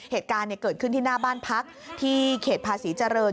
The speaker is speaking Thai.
เหตุการณ์เกิดขึ้นที่หน้าบ้านพักที่เขตภาษีเจริญ